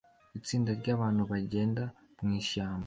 Itsinda ryabantu bagenda mwishyamba